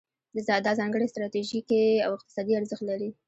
دا ځانګړی ستراتیژیکي او اقتصادي ارزښت لري.